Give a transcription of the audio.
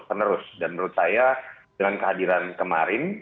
dan menurut saya dengan kehadiran kemarin